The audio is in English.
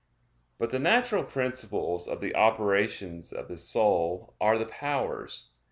But the natural principles of the operations of the soul are the powers.